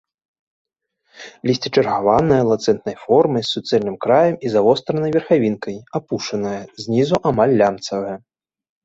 Лісце чаргаванае, ланцэтнай формы, з суцэльным краем і завостранай верхавінкай, апушанае, знізу амаль лямцавае.